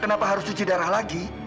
kenapa harus cuci darah lagi